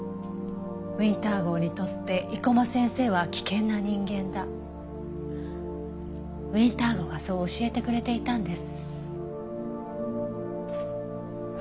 ウィンター号にとって生駒先生は危険な人間だウィンター号がそう教えてくれていたんです。